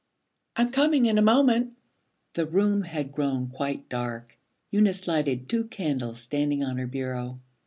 'I'm coming in a moment.' The room had grown quite dark. Eunice lighted two candles standing on her bureau.